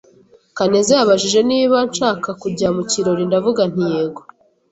Kaneza yabajije niba nshaka kujya mu kirori ndavuga nti yego.